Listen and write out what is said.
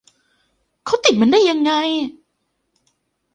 เขาติดมันได้ยังไง